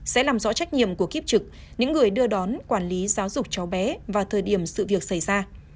sẽ làm rõ trách nhiệm của kiếp trực những người đưa đón quản lý giáo dục cháu bé vào thời điểm sự việc xảy ra